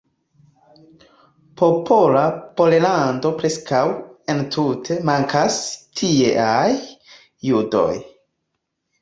Popola Pollando preskaŭ entute mankas tieaj judoj.